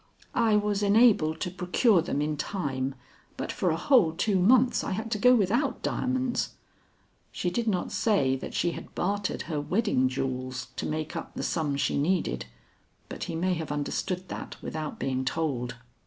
"I was enabled to procure them in time; but for a whole two months I had to go without diamonds." She did not say that she had bartered her wedding jewels to make up the sum she needed, but he may have understood that without being told.